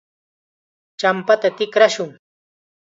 champata tikrashun.